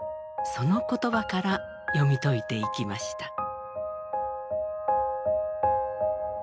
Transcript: その言葉から読み解いていきました。